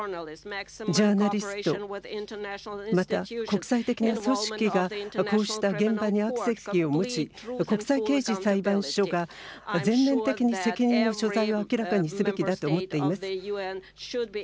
ジャーナリストまた、国際的な組織がこうした現場にアクセス権を持ち国際刑事裁判所が全面的に責任の所在を明らかにすべきだと思っています。